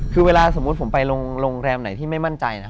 คือเวลาสมมุติผมไปโรงแรมไหนที่ไม่มั่นใจนะ